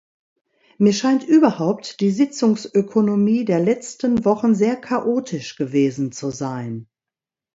Mir scheint überhaupt die Sitzungsökonomie der letzten Wochen sehr chaotisch gewesen zu sein.